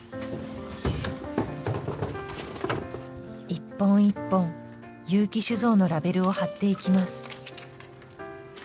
一本一本結城酒造のラベルを貼っていきます。